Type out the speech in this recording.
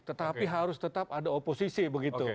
tetapi harus tetap ada oposisi begitu